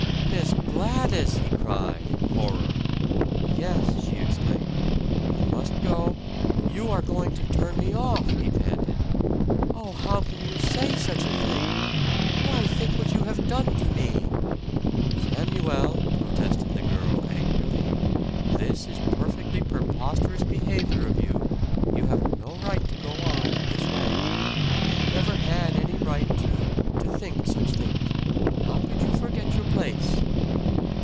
"Miss Gladys!" he cried in horror. "Yes," she exclaimed, "you must go " "You are going to turn me off!" he panted. "Oh, how can you say such a thing? Why, think what you have done to me!" "Samuel," protested the girl angrily, "this is perfectly preposterous behavior of you! You have no right to go on in this way. You never had any right to to think such things. How could you so forget your place?"